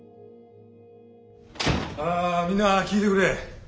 ああみんな聞いてくれ。